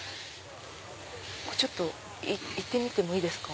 ちょっと行ってもいいですか？